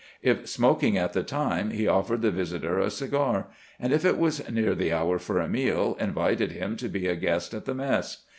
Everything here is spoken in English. If smoking at the time, he offered the visitor a cigar, and if it was near the hour for a meal, invited him to be a guest at the mess.